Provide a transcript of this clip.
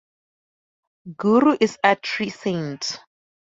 Guru is Atri saint.